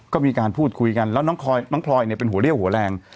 ก็มีการพูดคุยกันแล้วน้องพลอยเนี่ยเป็นหัวเรี่ยวหัวแรง